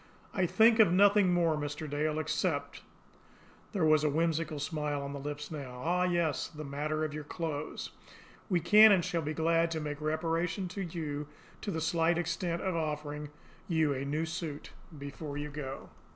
I think of nothing more, Mr. Dale, except " There was a whimsical smile on the lips now. "Ah, yes, the matter of your clothes. We can, and shall be glad to make reparation to you to the slight extent of offering you a new suit before you go."